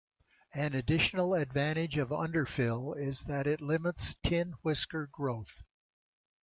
An additional advantage of underfill is that it limits tin whisker growth.